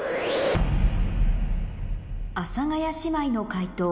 阿佐ヶ谷姉妹の解答